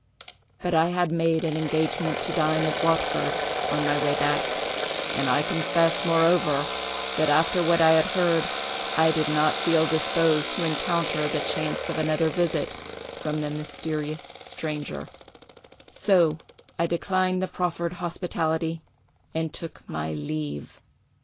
But I had made an engagement to dine at Watford, on my way back, and I confess, moreover, that after what I had heard I did not feel disposed to encounter the chance of another visit from the mysterious stranger; so I declined the proffered hospitality, and took my leave.